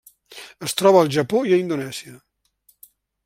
Es troba al Japó i a Indonèsia.